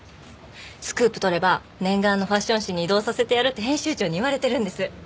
スクープ取れば念願のファッション誌に異動させてやるって編集長に言われてるんです。